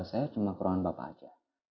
saya cuma ke ruangan bapak aja